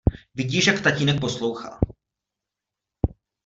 Vidíš, jak tatínek poslouchá.